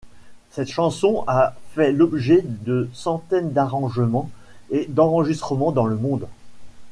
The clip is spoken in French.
Cette chanson a fait l'objet de centaines d'arrangements et d'enregistrements dans le monde.